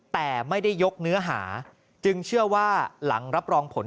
แต่ไม่ได้ยกเนื้อหาจึงเชื่อว่าหลังรับรองผล